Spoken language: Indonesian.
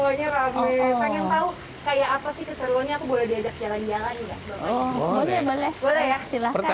pengen tahu kayak apa sih keserulannya aku boleh diajak ke jalan jalan